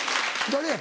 誰や？